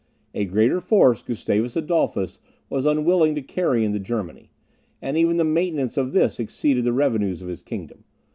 A greater force Gustavus Adolphus was unwilling to carry into Germany, and even the maintenance of this exceeded the revenues of his kingdom.